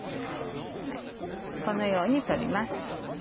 このように取ります。